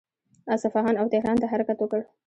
اصفهان او تهران ته حرکت وکړ.